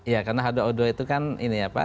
ya karena h dua o dua itu kan ini ya pak